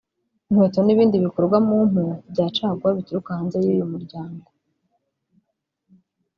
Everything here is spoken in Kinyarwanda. inkweto n’ibindi bikorwa mu mpu bya caguwa bituruka hanze y’uyu muryango